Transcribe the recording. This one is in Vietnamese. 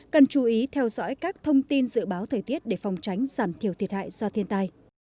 cần chú ý theo dõi các thông tin dự báo thời tiết để phòng tránh giảm thiểu thiệt hại do thiên tai